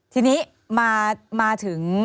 ทีนี้มาถึง